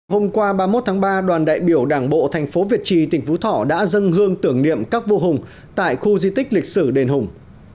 hôm qua ba mươi một tháng ba đoàn đại biểu đảng bộ thành phố việt trì tỉnh phú thọ đã dâng hương tưởng niệm các vua hùng tại khu di tích lịch sử đền hùng